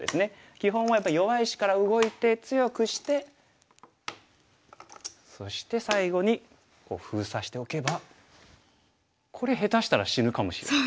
基本はやっぱり弱い石から動いて強くしてそして最後に封鎖しておけばこれ下手したら死ぬかもしれない。